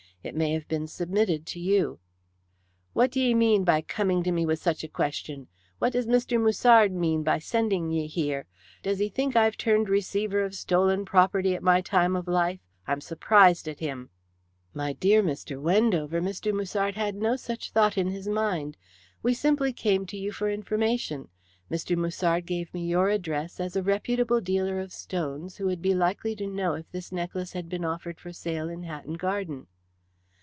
It may have been submitted to you." "What d'ye mean by coming to me with such a question? What does Mr. Musard mean by sending ye here? Does he think I've turned receiver of stolen property at my time of life? I'm surprised at him." "My dear Mr. Wendover, Mr. Musard had no such thought in his mind. We simply come to you for information. Mr. Musard gave me your address as a reputable dealer of stones who would be likely to know if this necklace had been offered for sale in Hatton Garden."